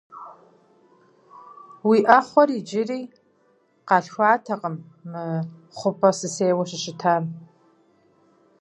Уи Ӏэхъуэр иджыри къалъхуатэкъым, мы хъупӀэр сысейуэ щыщытам.